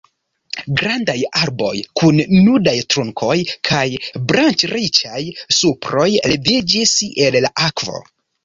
Grandaj arboj kun nudaj trunkoj kaj branĉriĉaj suproj leviĝis el la akvo.